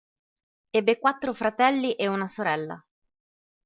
Ebbe quattro fratelli e una sorella.